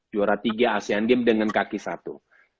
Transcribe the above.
juara tiga asean games dengan kaki satu